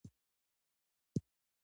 وار به دې راشي که لږ وار دې وکړ